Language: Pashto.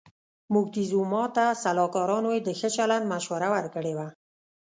موکتیزوما ته سلاکارانو یې د ښه چلند مشوره ورکړې وه.